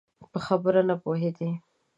په خبره نه پوهېدی؟